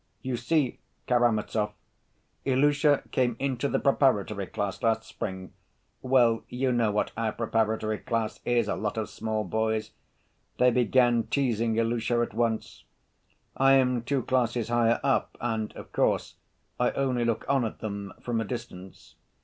"You see, Karamazov, Ilusha came into the preparatory class last spring. Well, you know what our preparatory class is—a lot of small boys. They began teasing Ilusha at once. I am two classes higher up, and, of course, I only look on at them from a distance.